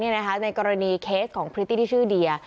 ในกรณีเคสของพริตตี้ที่ชื่อเดีย